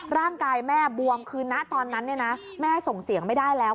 ร่างกายแม่บวมคือณตอนนั้นเนี่ยนะแม่ส่งเสียงไม่ได้แล้ว